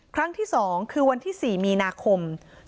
ครั้งที่๒คือวันที่๔มีนาคม๒๕๖